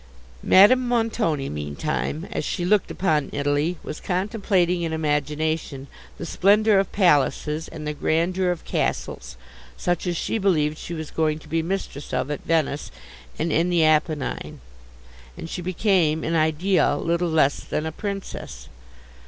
Madame Montoni, meantime, as she looked upon Italy, was contemplating in imagination the splendour of palaces and the grandeur of castles, such as she believed she was going to be mistress of at Venice and in the Apennine, and she became, in idea, little less than a princess.